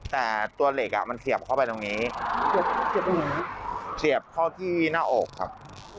แต่ตัวเหล็กมันเขียบเข้าไปตรงนี้เขียบเข้าที่หน้าอกครับ